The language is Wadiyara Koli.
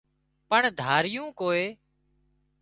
پڻ ڌاريون ڪوئي